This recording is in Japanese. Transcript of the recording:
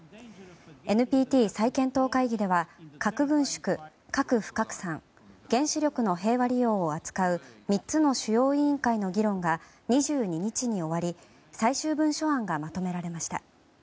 ＮＰＴ再検討会議では核軍縮、核不拡散原子力の平和利用を扱う３つの主要委員会の議論が２２日に終わり最終文書案がまとめられました。